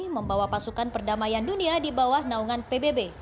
membawa pasukan perdamaian dunia di bawah naungan pbb